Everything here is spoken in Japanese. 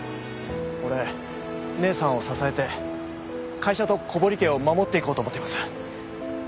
俺姉さんを支えて会社と小堀家を守っていこうと思っています。